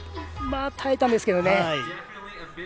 耐えたんですけどね。